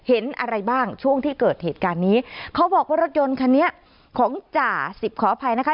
เห็นอะไรบ้างช่วงที่เกิดเหตุการณ์นี้เขาบอกว่ารถยนต์คันนี้ของจ่าสิบขออภัยนะคะ